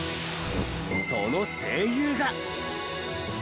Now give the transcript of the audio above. その声優が。